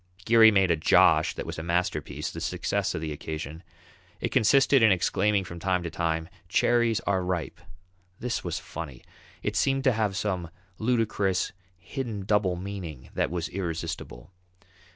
Geary made a "Josh" that was a masterpiece, the success of the occasion. It consisted in exclaiming from time to time, "Cherries are ripe!" This was funny. It seemed to have some ludicrous, hidden double meaning that was irresistible.